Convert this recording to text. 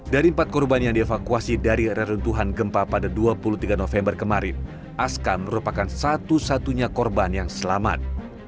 dari empat korban yang dievakuasi dari reruntuhan gempa pada dua puluh tiga november kemarin aska merupakan satu satunya korban yang selamat